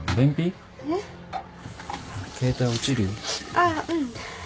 あっうん。